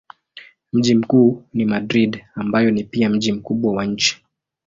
Mji mkuu ni Madrid ambayo ni pia mji mkubwa wa nchi.